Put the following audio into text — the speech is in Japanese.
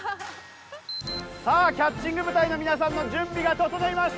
さあキャッチング部隊の皆さんの準備が整いました。